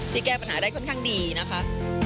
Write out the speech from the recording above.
แก้ปัญหาได้ค่อนข้างดีนะคะ